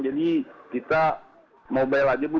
jadi kita mau bayar lagi bu